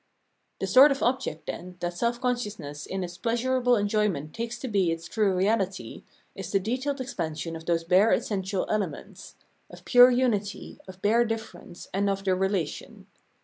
The sort of object, then, that self consciousness in its pleasurable enjoyment takes to be its true reahty, is the detailed expansion of those bare essential elements — of pure unity, of bare difference, and of their relation.